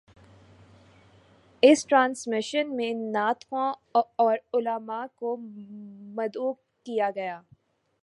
اس transmission میں نعت خواں اور علمأ کو مدعو کیا گیا